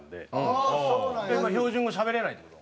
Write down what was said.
標準語しゃべれないって事？